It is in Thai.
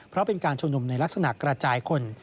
เพราะเป็นการชุมนุมในลักษณะกระจายคน